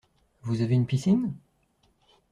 Vous avez une piscine ?